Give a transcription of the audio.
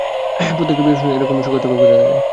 প্রত্যেকটা বিয়ের অনুষ্ঠানেই এরকম শোকার্ত কাউকে দেখা যায়!